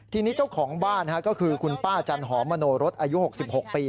ทีนี้เจ้าของบ้านก็คือคุณป้าจันหอมมโนรสอายุ๖๖ปี